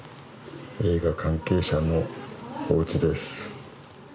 映画関係者のおうちです。